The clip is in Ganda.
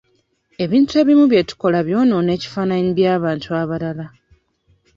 Ebintu ebimu bye tukola byonoona ekifaananyi by'abantu abalala.